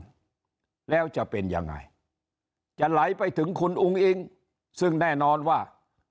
แล้วจะเป็นยังไงจะไหลไปถึงคุณอุ้งอิงซึ่งแน่นอนว่า